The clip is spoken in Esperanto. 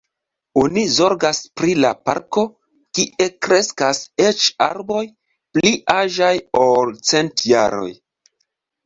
Oni zorgas pri la parko, kie kreskas eĉ arboj pli aĝaj, ol cent jaroj.